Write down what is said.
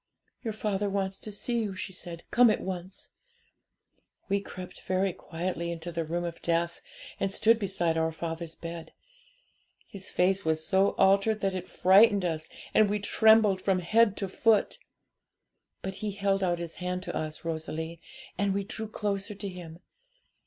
"'Your father wants to see you," she said; "come at once." 'We crept very quietly into the room of death, and stood beside our father's bed. His face was so altered that it frightened us, and we trembled from head to foot. But he held out his hand to us, Rosalie, and we drew closer to him.